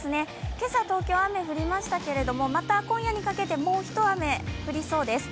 今朝、東京、雨降りましたがまた今夜にかけてもう一雨降りそうです。